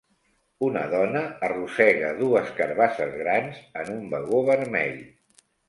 Una dona arrossega dues carbasses grans en un vagó vermell.